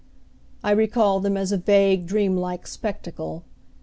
I recall them as a vague, dreamlike spectacle.